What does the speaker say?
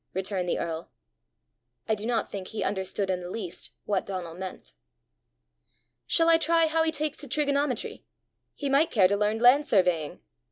returned the earl. I do not think he understood in the least what Donal meant. "Shall I try how he takes to trigonometry? He might care to learn land surveying!